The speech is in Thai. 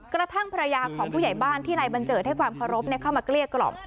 กระทั่งภรรยาของผู้ใหญ่บ้านที่นายบัญเจิดให้ความเคารพเข้ามาเกลี้ยกล่อม